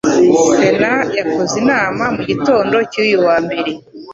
Sena yakoze inama mugitondo cy'uyu wambere